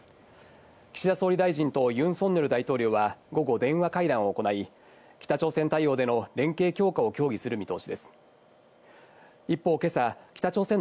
岸田総理大臣とユン・ソンニョル大統領は午後、電話会談を行い、北朝鮮対応での連携強化を協議する見通しです。